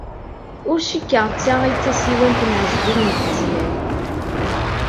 Ur cikkeɣ d ta ay d tasiwant n Ɛezdin n Tezmalt.